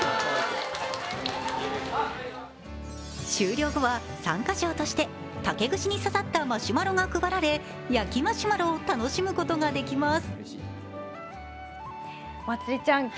終了後は参加賞として竹串に刺さったマシュマロが配られ、焼きマシュマロを楽しむことができます。